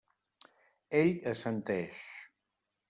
Ell assenteix.